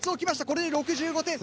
これで６５点。